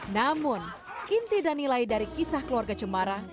namun inti dan nilai dari kisah keluarga cemara